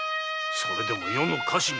それでも余の家臣か。